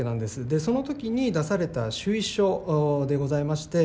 でそのときに出された趣意書でございまして。